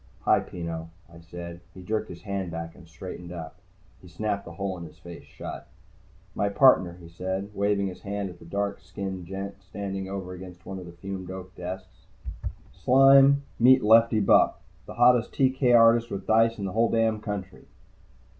"Hi, Peno," I said. He jerked his hand back and straightened up. He snapped the hole in his face shut. "My partner," he said, waving his hand at the dark skinned gent standing over against one of the fumed oak desks. "Sime, meet Lefty Bupp, the hottest TK artist with dice in the whole damned country!"